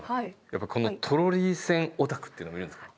やっぱりこのトロリ線オタクっていうのもいるんですか？